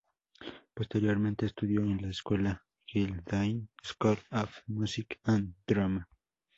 Posteriormente, estudió en la escuela Guildhall School of Music and Drama.